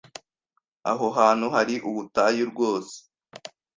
Aho hantu hari ubutayu rwose.